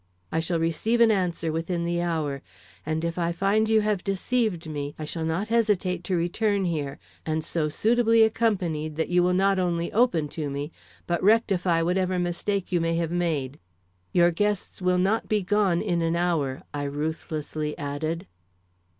I shall receive an answer within the hour; and if I find you have deceived me I shall not hesitate to return here, and so suitably accompanied that you will not only open to me, but rectify whatever mistake you may have made. Your guests will not be gone in an hour," I ruthlessly added.